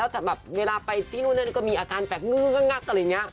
แต่มีอาการแกนู้นตัวอย่างเงี้ย